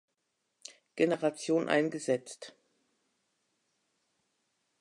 Generation eingesetzt.